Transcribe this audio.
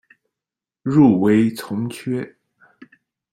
入围从缺。